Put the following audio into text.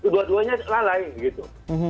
dua duanya lalai gitu